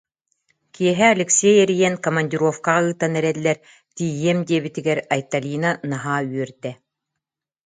Киэһэ Алексей эрийэн, командировкаҕа ыытан эрэллэр, тиийиэм диэбитигэр Айталина наһаа үөрдэ